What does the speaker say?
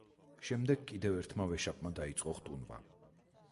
შემდეგ კიდევ ერთმა ვეშაპმა დაიწყო ხტუნვა.